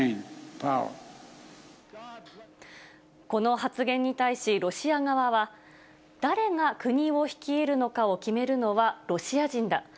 この発言に対しロシア側は、誰が国を率いるのかを決めるのはロシア人だ。